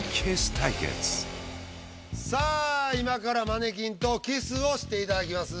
さあ今からマネキンとキスをしていただきます。